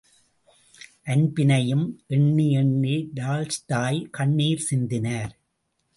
அன்பினையும் எண்ணி எண்ணி டால்ஸ்டாய் கண்ணீர் சிந்தினார்.